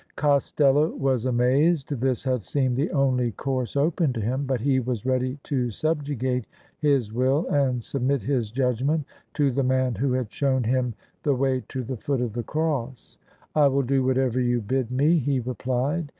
Costello was am^used: this had seemed the only course open to him. But he was ready to subjugate his will and submit his judgment to the man who had shown him the way to the foot of the Cross. '' I will do whatever you bid me," he replied.